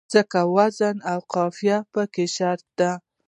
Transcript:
ځکه وزن او قافیه پکې شرط دی.